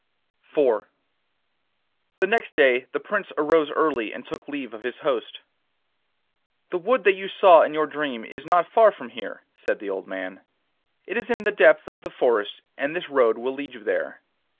IV The next day the Prince arose early and took leave of his host. 'The wood that you saw in your dream is not far from here,' said the old man. 'It is in the depth of the forest, and this road will lead you there.